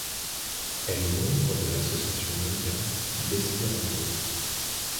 Elle est membre de l'association mondiale d'espéranto.